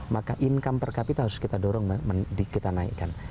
maka income per capita harus kita dorong kita naikkan